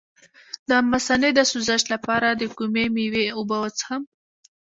د مثانې د سوزش لپاره د کومې میوې اوبه وڅښم؟